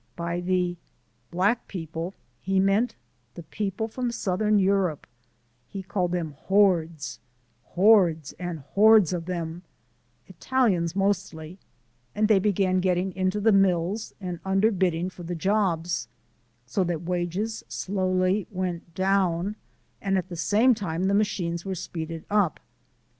By the "black people" he meant the people from Southern Europe, he called them "hordes" "hordes and hordes of 'em" Italians mostly, and they began getting into the mills and underbidding for the jobs, so that wages slowly went down and at the same time the machines were speeded up.